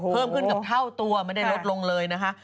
เพิ่มขึ้นเกือบเท่าตัวไม่ได้ลดลงเลยนะคะ